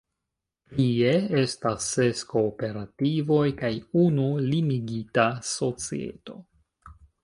Prie estas ses kooperativoj kaj unu limigita societo.